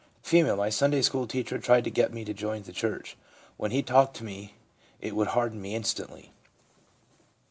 F. ' My Sunday school teacher tried to get me to join the church ; when he talked to me it would harden me instantly/ M.